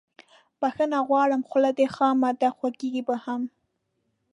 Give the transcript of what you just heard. بخښنه غواړم خوله دې خامه ده خوږیږي به هم